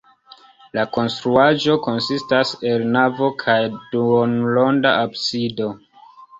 La konstruaĵo konsistas el navo kaj duonronda absido.